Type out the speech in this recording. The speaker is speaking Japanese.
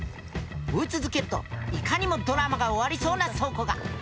追い続けるといかにもドラマが終わりそうな倉庫が。